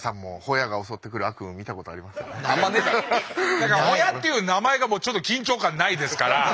だからホヤっていう名前がもうちょっと緊張感ないですから。